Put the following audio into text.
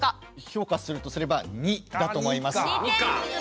評価するとすれば２だと思います。